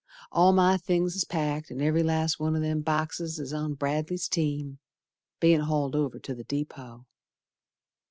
All my things is packed An' every last one o' them boxes Is on Bradley's team Bein' hauled over to th' depot.